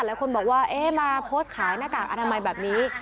หลายคนบอกว่าเอ๊ะมาโพสต์ขายหน้ากากอนามัยแบบนี้